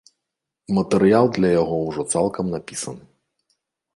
Матэрыял для яго ўжо цалкам напісаны.